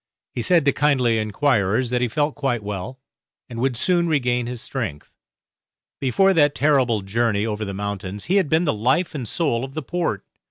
He said to kindly enquirers that he felt quite well, and would soon regain his strength. Before that terrible journey over the mountains he had been the life and soul of the Port.